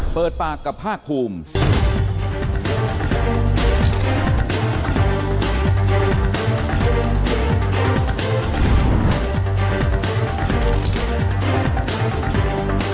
เปิดปากกับภาคภูมิ